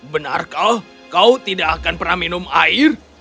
benarkah kau tidak akan pernah minum air